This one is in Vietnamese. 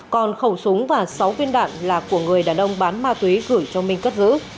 còn khẩu súng và sáu viên đạn là của người đàn ông bán ma túy gửi cho minh cất giữ